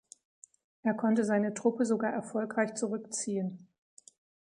Er konnte seine Truppe sogar erfolgreich zurückziehen.